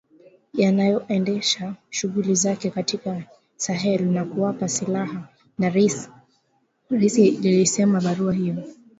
yanayoendesha shughuli zake katika Sahel na kuwapa silaha na risasi ilisema barua hiyo